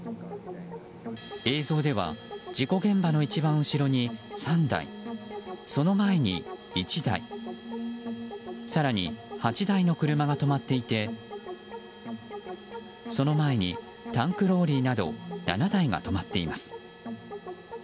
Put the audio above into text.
映像では事故現場の一番後ろに３台その前に１台更に８台の車が止まっていてその前にタンクローリーなど７台が止まっています。